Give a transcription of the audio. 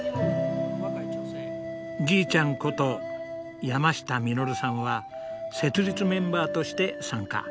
じいちゃんこと山下實さんは設立メンバーとして参加。